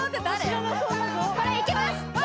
これいきます